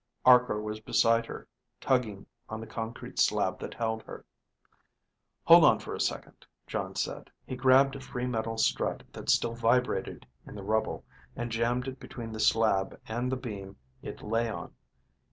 Arkor was beside her, tugging on the concrete slab that held her. "Hold on a second," Jon said. He grabbed a free metal strut that still vibrated in the rubble, and jammed it between the slab and the beam it lay on.